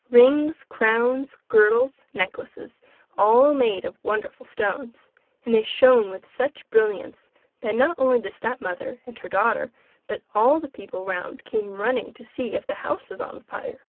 Rings, crowns, girdles, necklaces all made of wonderful stones; and they shone with such brilliance that not only the stepmother and her daughter but all the people round came running to see if the house was on fire.